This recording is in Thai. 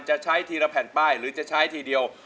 จะใช้ทีละแผ่นป้ายหรือจะใช้ทีเดียว